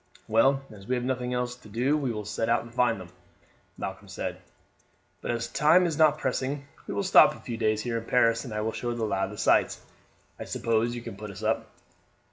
"Well, as we have nothing else to do we will set out and find them," Malcolm said; "but as time is not pressing we will stop a few days here in Paris and I will show the lad the sights. I suppose you can put us up."